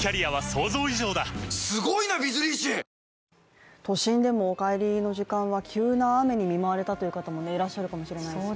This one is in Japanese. わかるぞ都心でもお帰りの時間は急な雨に見舞われたという方もいらっしゃるかもしれないですね。